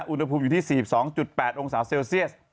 อุณหภูมิอยู่ที่๔๒๘องศาเซลเซียส